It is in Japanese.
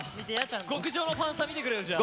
極上のファンサ見てくれよじゃあ。